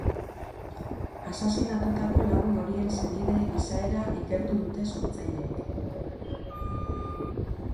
Asasinatutako lagun horien senidee izaera ikertu dute sortzaileek.